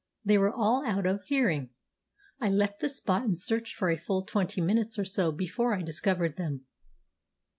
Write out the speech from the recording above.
They were all out of hearing. I left the spot, and searched for a full twenty minutes or so before I discovered them.